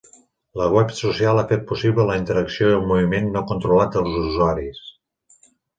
La web social ha fet possible la interacció i el moviment no controlat dels usuaris.